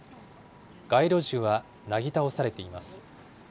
街路樹はなぎ倒されています。